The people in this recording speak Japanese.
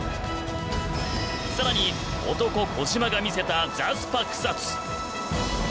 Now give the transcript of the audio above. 更に男・小島が魅せたザスパ草津。